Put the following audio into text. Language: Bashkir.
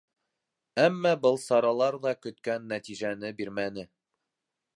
Әммә был саралар ҙа көткән нәтижәне бирмәне.